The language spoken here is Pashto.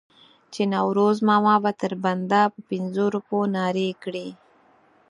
چې نوروز ماما به تر بنده په پنځو روپو نارې کړې.